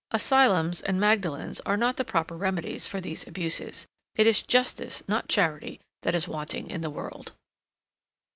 Asylums and Magdalens are not the proper remedies for these abuses. It is justice, not charity, that is wanting in the world!